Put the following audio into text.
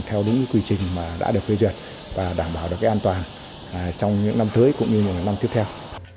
theo đúng quy trình mà đã được phê duyệt và đảm bảo được an toàn trong những năm tới cũng như năm tiếp theo